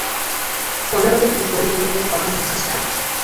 কণাবাদের ওপর নিউটনের অগাধ আস্থা।